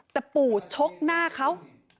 แต่ปู่ชกหน้าเขา